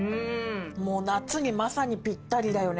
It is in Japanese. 夏にまさにぴったりだよね。